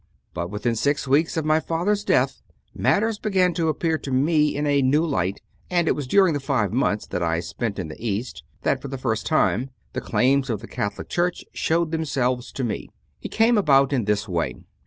But within six weeks of my father s death, matters began to appear to me in a new light, and it was during the five months that I spent in the 44 CONFESSIONS OF A CONVERT East that for the first time the claims of the Catholic Church showed themselves to me. It came about in this way.